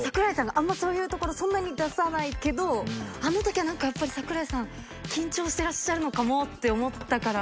あんまそういうところそんなに出さないけどあの時は何かやっぱり櫻井さん緊張してらっしゃるのかもって思ったから。